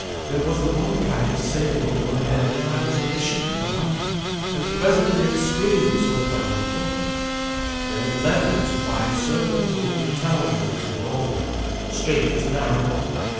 There was the one kite sailing over my head as I was at the ship garth, and presently it screamed so that I looked up. Then it left its wide circles over the town, and flew northward, straight as an arrow.